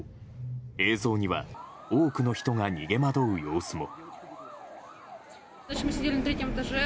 映像には多くの人が逃げ惑う様子も。